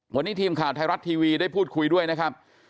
วันนี้ทีมข่าวไทยรัฐทีวีได้พูดคุยด้วยนะครับ